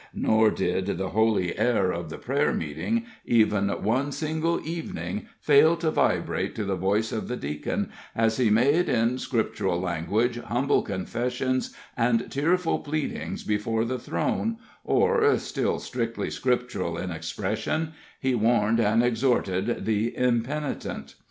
Nor did the holy air of the prayer meeting even one single evening fail to vibrate to the voice of the Deacon, as he made, in scriptural language, humble confessions and tearful pleadings before the throne, or still strictly scriptural in expression he warned and exhorted the impenitent.